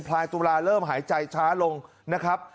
ลายตุลาเริ่มหายใจช้าลงนะครับ